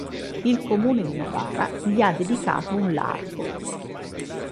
Il comune di Novara gli ha dedicato un largo.